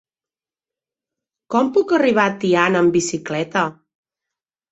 Com puc arribar a Tiana amb bicicleta?